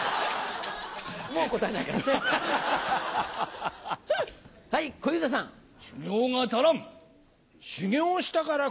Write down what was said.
もう答えないから。